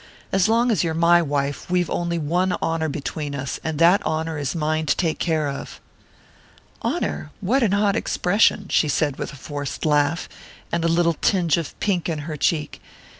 As long as you're my wife we've only one honour between us, and that honour is mine to take care of." "Honour? What an odd expression!" she said with a forced laugh, and a little tinge of pink in her cheek.